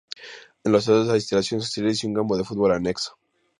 En los alrededores hay instalaciones auxiliares y un campo de fútbol anexo.